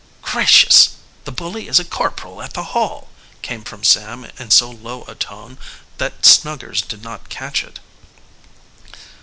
"Gracious, the bully is a corporal at the Hall!" came from Sam in so low a tone that Snuggers did not catch it.